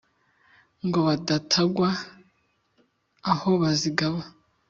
Ngo badatangwa aho bazigaba